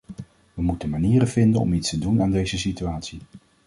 We moeten manieren vinden om iets te doen aan deze situatie.